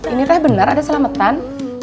ini tapi benar ada selamatan